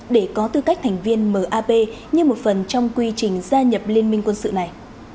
để có tư cách thành viên map như một phần trong quy trình gia nhập liên minh quân sự này